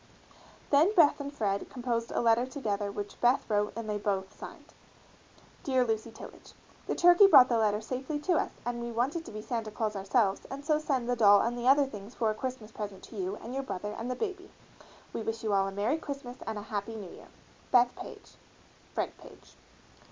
Then Beth and Fred composed a letter together which Beth wrote and they both signed: DEAR LUCY TILLAGE: The turkey brought the letter safely to us and we wanted to be Santa Claus ourselves and so send the doll and the other things for a Christmas present to you and your brother and the baby. We wish you all a Merry Christmas and a Happy New Year. BETH PAGE, FRED PAGE.